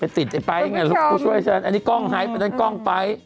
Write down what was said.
ไปติดไอ้ป๊ายไงลูกช่วยชั้นอันนี้กล้องไฮฟอันนี้กล้องไฟฟ